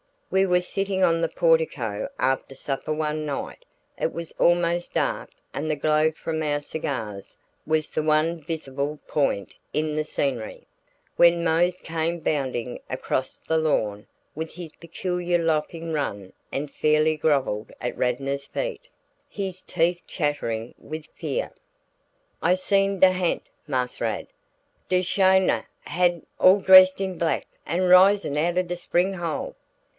We were sitting on the portico after supper one night it was almost dark and the glow from our cigars was the one visible point in the scenery when Mose came bounding across the lawn with his peculiar loping run and fairly groveled at Radnor's feet, his teeth chattering with fear. "I's seen de ha'nt, Marse Rad; de sho nuff ha'nt all dressed in black an' risin' outen de spring hole."